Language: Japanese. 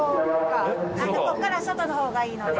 ここからは外の方がいいので。